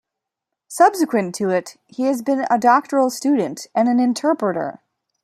Subsequent to it, he has been a doctoral student and an interpreter.